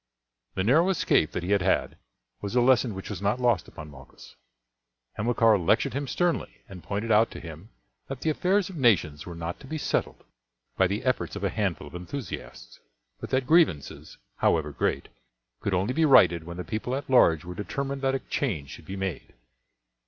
The narrow escape that he had had was a lesson which was not lost upon Malchus. Hamilcar lectured him sternly, and pointed out to him that the affairs of nations were not to be settled by the efforts of a handful of enthusiasts, but that grievances, however great, could only be righted when the people at large were determined that a change should be made.